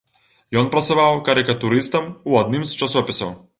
Ён працаваў карыкатурыстам ў адным з часопісаў.